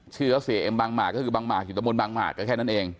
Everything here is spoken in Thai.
ชื่อเขาเซียเอ็มบางมากก็คือบางมากอยู่ตะบนบางมากก็แค่นั้นเอง